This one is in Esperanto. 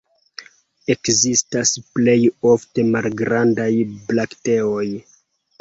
Ekzistas plej ofte malgrandaj brakteoj.